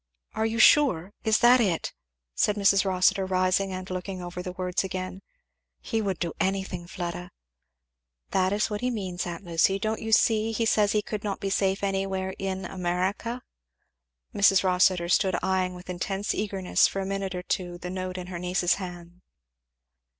"Are you sure? is that it?" said Mrs. Rossitur, rising and looking over the words again; "He would do anything, Fleda " "That is what he means, aunt Lucy; don't you see he says he could not be safe anywhere in America?" Mrs. Rossitur stood eying with intense eagerness for a minute or two the note in her niece's hand.